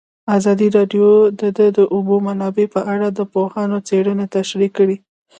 ازادي راډیو د د اوبو منابع په اړه د پوهانو څېړنې تشریح کړې.